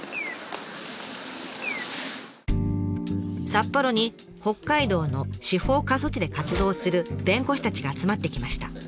札幌に北海道の司法過疎地で活動する弁護士たちが集まってきました。